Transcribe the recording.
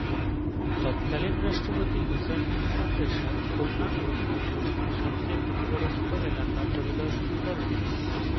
তৎকালীন রাষ্ট্রপতি হুসেইন মুহাম্মদ এরশাদ খুলনা এবং বাগেরহাটের সবচেয়ে ক্ষতিগ্রস্ত এলাকা পরিদর্শন করেন।